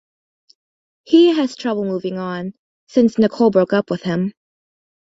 He has trouble moving on, since Nicole broke up with him.